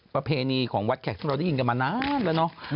ประเพนนีของวัดแขกที่เราได้ยินละไม่นาน